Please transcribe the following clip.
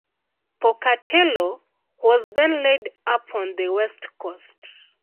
"Pocatello" was then laid up on the west coast.